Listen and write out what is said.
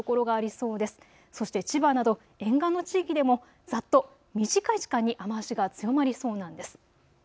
そして千葉など沿岸の地域でもざっと短い時間に雨足が強まりそうなんです。